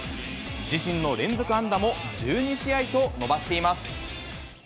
自身の連続安打も１２試合と伸ばしています。